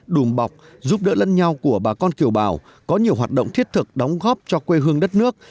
đùm bọc giúp đỡ lân nhau của bà con kiều bào có nhiều hoạt động thiết thực đóng góp cho quê hương đất nước